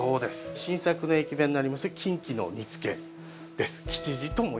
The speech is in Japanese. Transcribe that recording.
新作の駅弁になります、キンキの煮つけです。